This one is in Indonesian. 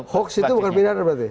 hoax itu bukan pidana berarti